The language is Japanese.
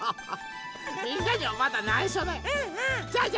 みんなにはまだないしょだよ。